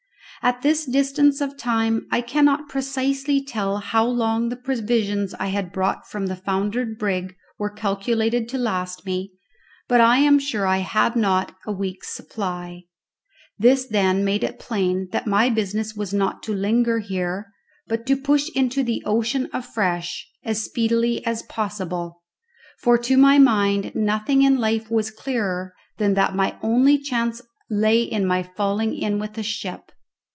At this distance of time I cannot precisely tell how long the provisions I had brought from the foundered brig were calculated to last me, but I am sure I had not a week's supply. This, then, made it plain that my business was not to linger here, but to push into the ocean afresh as speedily as possible, for to my mind nothing in life was clearer than that my only chance lay in my falling in with a ship.